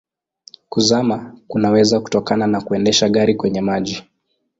Kuzama kunaweza kutokana na kuendesha gari kwenye maji.